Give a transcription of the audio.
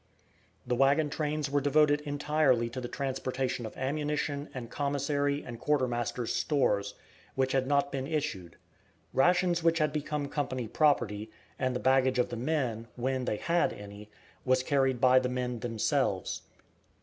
The wagon trains were devoted entirely to the transportation of ammunition and commissary and quartermaster's stores, which had not been issued. Rations which had become company property, and the baggage of the men, when they had any, was carried by the men themselves.